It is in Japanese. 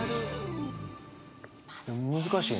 難しいな。